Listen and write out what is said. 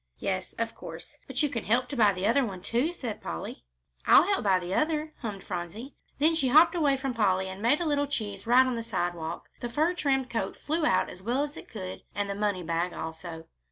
"Yes, of course. But you can help to buy the other, too," said Polly. "I'll help to buy the other," hummed Phronsie. Then she hopped away from Polly and made a little cheese right on the sidewalk. The fur trimmed coat flew out as well as it could, and the money bag also.